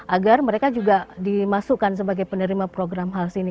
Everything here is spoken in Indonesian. agar mereka juga dimasukkan sebagai penerima program hals ini